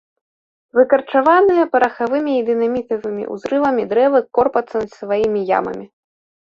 Выкарчаваныя парахавымі і дынамітавымі ўзрывамі, дрэвы корпацца над сваімі ямамі.